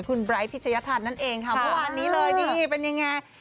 คุณไบร์ทพิชยธรรมนั่นเองค่ะเมื่อวานนี้เลยนี่เป็นยังไง